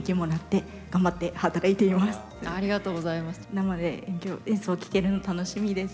生で今日演奏を聴けるの楽しみです。